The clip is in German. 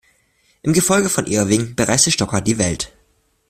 Im Gefolge von Irving bereiste Stoker die Welt.